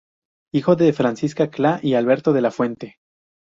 Hijo de Francisca Cla y Alberto de la Fuente.